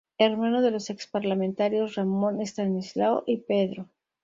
Hermano de los ex parlamentarios: Ramón, Estanislao y Pedro.